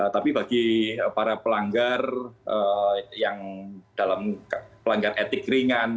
tapi bagi para pelanggar yang dalam pelanggar etik ringan